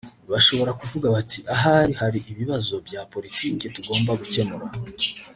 bashobora kuvuga bati ahari hari ibibazo bya politiki tugomba gukemura